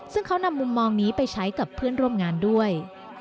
ซึ่งเขานำมุมมองนี้ไปใช้กับเพื่อนร่วมงานด้วย